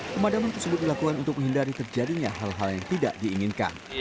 pemadaman tersebut dilakukan untuk menghindari terjadinya hal hal yang tidak diinginkan